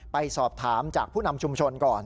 ไปสอบถามจากผู้นำชุมชนก่อน